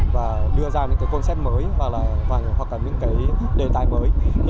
và đưa ra những concept mới hoặc là những đề tài mới